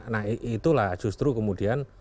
nah itulah justru kemudian